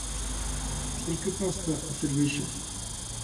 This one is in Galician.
Por que pasta e cervexa?